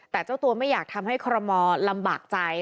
แต่เจ้าตัวไม่อยากทำให้คอรมอลำบากใจ